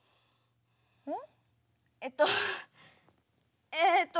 うん？